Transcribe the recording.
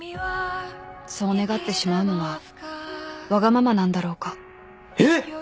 ［そう願ってしまうのはわがままなんだろうか］えっ！？